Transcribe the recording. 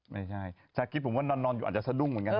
ไม่ใช่ชาคิดผมว่านอนอยู่อาจจะสะดุ้งเหมือนกัน